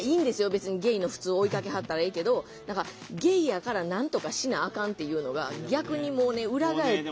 別にゲイの普通を追いかけはったらええけど何かゲイやからなんとかしなあかんっていうのが逆にもうね裏返って。